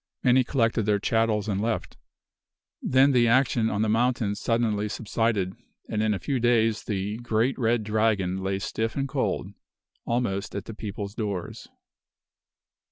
Many collected their chattels and left. Then the action on the mountain suddenly subsided; and in a few days the "great red dragon" lay stiff and cold, almost at the people's doors.